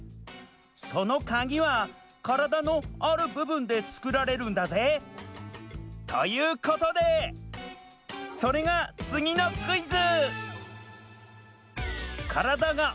そのカギはカラダの「あるぶぶん」でつくられるんだぜ！ということでそれがつぎのクイズ！